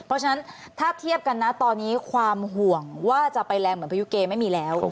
เพราะฉะนั้นถ้าเทียบกันนะตอนนี้ความห่วงว่าจะไปแรงเหมือนพายุเกไม่มีแล้ว